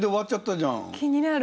気になる。